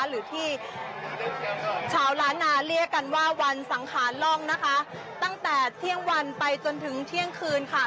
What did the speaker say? หรือที่ชาวล้านนาเรียกกันว่าวันสังขารล่องนะคะตั้งแต่เที่ยงวันไปจนถึงเที่ยงคืนค่ะ